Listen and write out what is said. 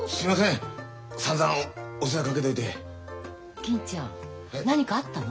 銀ちゃん何かあったの？